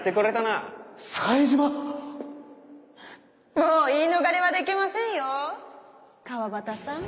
もう言い逃れはできませんよ川端さん。